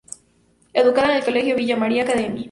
Educada en el Colegio Villa María Academy.